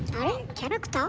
キャラクター？